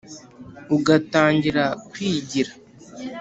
Ugatangira kwigira